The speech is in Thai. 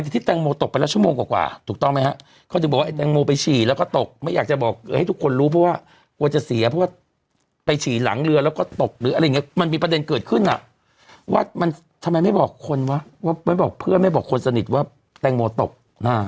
ที่แตงโมตกไปแล้วชั่วโมงกว่าถูกต้องไหมฮะเขาถึงบอกว่าไอแตงโมไปฉี่แล้วก็ตกไม่อยากจะบอกให้ทุกคนรู้เพราะว่ากลัวจะเสียเพราะว่าไปฉี่หลังเรือแล้วก็ตกหรืออะไรอย่างเงี้มันมีประเด็นเกิดขึ้นอ่ะว่ามันทำไมไม่บอกคนวะว่าไม่บอกเพื่อนไม่บอกคนสนิทว่าแตงโมตกอ่า